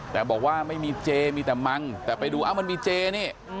แต่บอกว่าไม่มีเจมีแต่มังแต่ไปดูเอ้ามันมีเจนี่